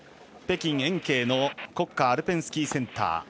北京・延慶の国家アルペンスキーセンター。